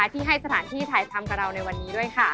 ที่ให้สถานที่ถ่ายทำกับเราในวันนี้ด้วยค่ะ